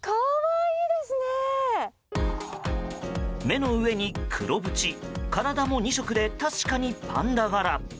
目の上に黒縁、体も２色で確かにパンダ柄。